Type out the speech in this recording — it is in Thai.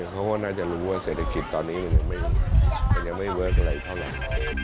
เขาก็น่าจะรู้ว่าเศรษฐกิจตอนนี้ยังไม่เวิร์คอะไรเท่าไหร่